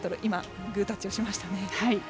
グータッチをしましたね。